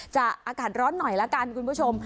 อากาศร้อนหน่อยละกันคุณผู้ชม